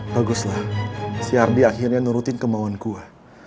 baguslah si ardi akhirnya nurutin kemauan gua